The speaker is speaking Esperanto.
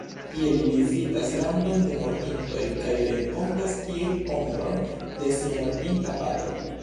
Tie li vizitas Landon de Mortintoj kaj renkontas tie ombron de sia mortinta patro.